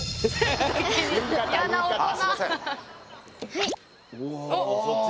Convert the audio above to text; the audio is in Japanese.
はい。